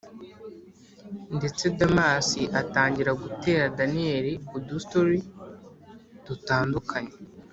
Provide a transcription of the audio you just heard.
ndetse damas atangira gutera daniel udustory dutandukanye